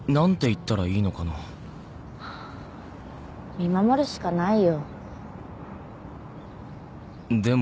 見守るしかないよ。